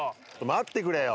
待ってくれよ。